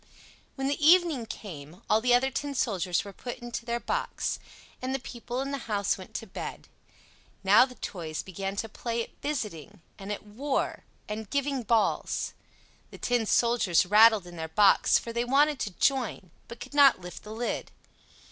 When the evening came, all the other tin soldiers were put into their box, and the people in the house went to bed. Now the toys began to play at "visiting," and at "war," and "giving balls." The tin soldiers rattled in their box, for they wanted to join, but could not lift the lid.